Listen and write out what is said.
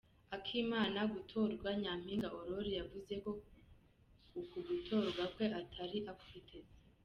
Akimara gutorwa, Nyampinga Aurore yavuze ko uku gutorwa kwe atari akwiteze.